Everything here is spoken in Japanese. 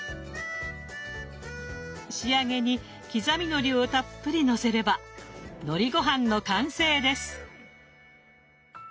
仕上げに刻みのりをたっぷりのせればのりごはんの完成です。